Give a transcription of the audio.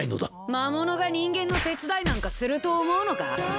魔物が人間の手伝いなんかすると思うのか？